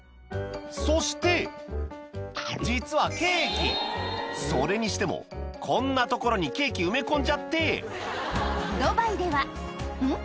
そして実はそれにしてもこんな所にケーキ埋め込んじゃってうん？